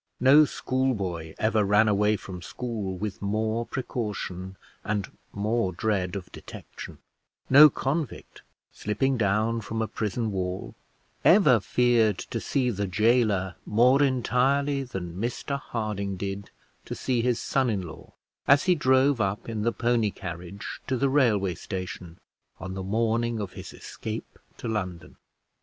No schoolboy ever ran away from school with more precaution and more dread of detection; no convict, slipping down from a prison wall, ever feared to see the gaoler more entirely than Mr Harding did to see his son in law as he drove up in the pony carriage to the railway station, on the morning of his escape to London.